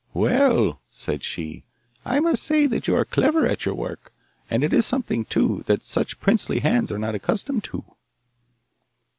'Well,' said she, 'I must say that you are clever at your work, and it is something, too, that such princely hands are not accustomed to.